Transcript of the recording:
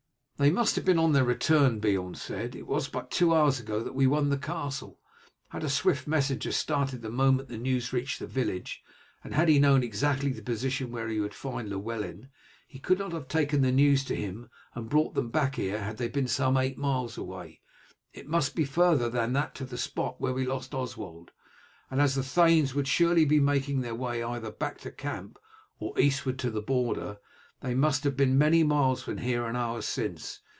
"They must have been on their return," Beorn said. "It was but two hours ago that we won the castle. Had a swift messenger started the moment the news reached the village, and had he known exactly the position where he would find Llewellyn, he could not have taken the news to him and brought them back here had they been some eight miles away. It must be farther than that to the spot where we lost Oswald, and as the thanes would surely be making their way either back to camp or eastward to the border, they must have been many miles from here an hour since.